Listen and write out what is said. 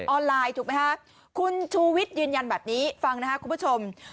ไลน์ถูกไหมคะคุณชูวิทย์ยืนยันแบบนี้ฟังนะครับคุณผู้ชม